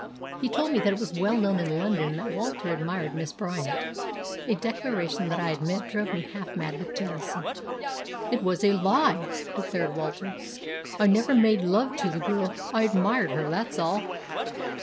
He told me that it was well known in London that Walter admired Miss Bryant, a declaration that I admit drove me half mad with jealousy." "It was a lie!" declared Walter. "I never made love to the girl. I admired her, that's all."